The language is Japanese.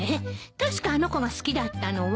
確かあの子が好きだったのは。